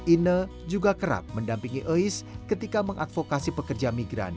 ine juga kerap mendampingi ois ketika mengadvokasi pekerja migran